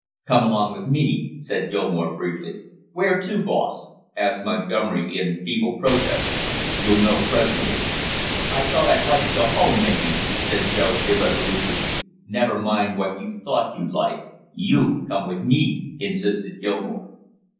"Come along with me!" said Gilmore briefly. "Where to, boss?" asked Montgomery, in feeble protest. "You'll know presently." "I thought I'd like to go home, maybe " said Joe irresolutely. "Never mind what you thought you'd like, you come with me!" insisted Gilmore.